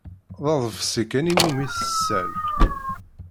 D aḍebsi kan iwumi tessal.